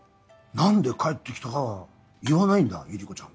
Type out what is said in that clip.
なんで帰ってきたかは言わないんだゆり子ちゃん。